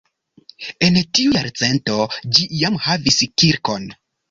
En tiu jarcento ĝi jam havis kirkon.